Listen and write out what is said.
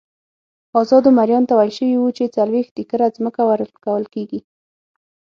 ازادو مریانو ته ویل شوي وو چې څلوېښت ایکره ځمکه ورکول کېږي.